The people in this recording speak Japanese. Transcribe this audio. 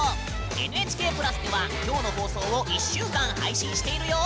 「ＮＨＫプラス」では今日の放送を１週間配信しているよ。